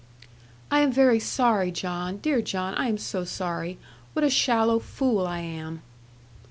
'I am very sorry, John. Dear John, I am so sorry. What a shallow fool I am!'